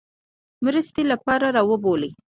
مرستې لپاره را وبولي.